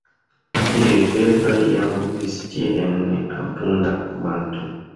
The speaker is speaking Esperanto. Tiuj birdoj iam vivis tie en abunda kvanto.